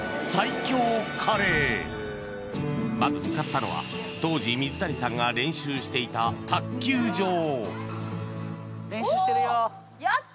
まず向かったのは当時水谷さんが練習していた卓球場練習してるよおっ！